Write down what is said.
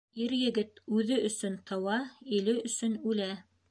Ир-егет үҙе өсөн тыуа, иле өсөн үлә.